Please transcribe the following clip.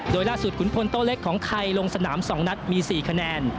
โดยล่าสุดขุนพลโตเล็กของไทยลงสนาม๒นัดมี๔คะแนน